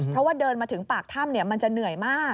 เพราะว่าเดินมาถึงปากถ้ำมันจะเหนื่อยมาก